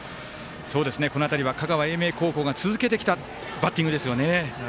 この辺りは香川・英明高校が続けてきたバッティングですよね。